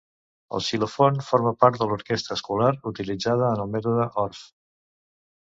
El xilòfon forma part de l'orquestra escolar utilitzada en el mètode Orff.